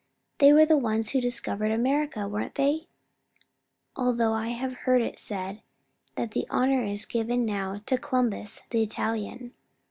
They were the ones who discovered America, weren't they? Although I have heard it said that the honour is given now to Columbus, the Italian."